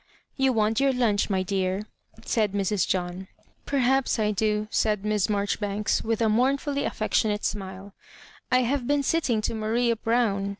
"You want your lunch, my dear," said Mrs. John. " Perhaps I do," said Miss Maijoribanks, with a mournfully affectionate smile. " I have been sitting to Maria Brown.